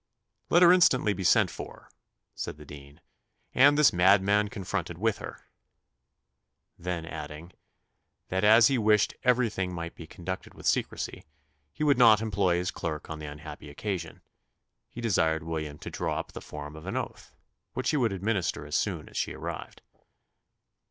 "Let her instantly be sent for," said the dean, "and this madman confronted with her." Then adding, that as he wished everything might be conducted with secrecy, he would not employ his clerk on the unhappy occasion: he desired William to draw up the form of an oath, which he would administer as soon as she arrived.